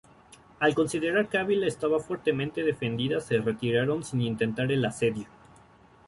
Al considerar que Ávila estaba fuertemente defendida se retiraron sin intentar el asedio.